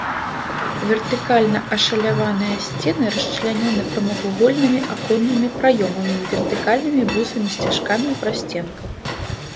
Вертыкальна ашаляваныя сцены расчлянёны прамавугольнымі аконнымі праёмамі і вертыкальнымі бусамі-сцяжкамі ў прасценках.